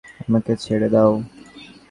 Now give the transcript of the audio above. আমাকে ছেড়ে দাও!